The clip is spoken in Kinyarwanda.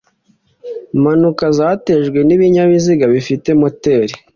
mpanuka zatejwe n ibinyabiziga bifite moteri